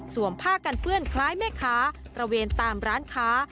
ผ้ากันเปื้อนคล้ายแม่ค้าตระเวนตามร้านค้า